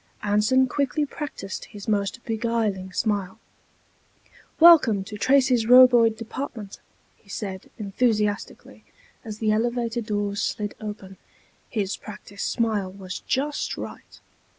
Anson quickly practiced his most beguiling smile. "Welcome to Tracy's Roboid Department," he said, enthusiastically, as the elevator doors slid open. His practiced smile was just right.